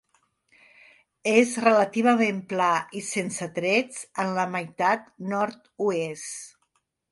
És relativament pla i sense trets en la meitat nord-oest.